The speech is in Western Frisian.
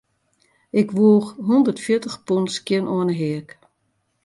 Ik woech hûndertfjirtich pûn skjin oan 'e heak.